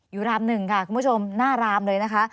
รามหนึ่งค่ะคุณผู้ชมหน้ารามเลยนะคะ